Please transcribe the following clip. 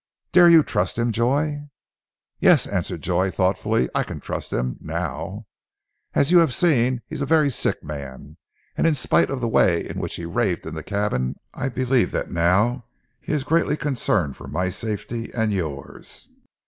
"Dare you trust him Joy?" "Yes," answered Joy thoughtfully. "I can trust him now. As you have seen he is a very sick man, and in spite of the way in which he raved in the cabin, I believe that now he is greatly concerned for my safety, and yours.